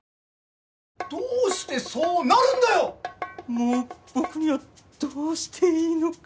もう僕にはどうしていいのか。